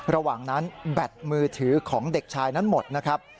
ระหว่างนั้นแบตมือถือของเด็กชายนั้นหมดนะครับ